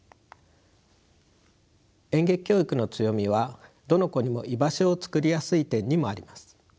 演劇教育の強みはどの子にも居場所をつくりやすい点にもあります。